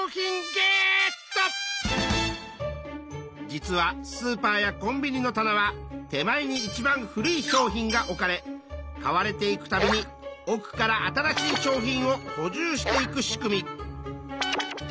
実はスーパーやコンビニの棚は手前にいちばん古い商品が置かれ買われていくたびに奥から新しい商品をほじゅうしていく仕組み。